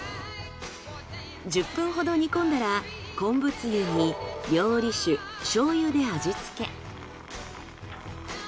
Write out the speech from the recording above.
１０分ほど煮込んだら昆布つゆに料理酒醤油で味付け。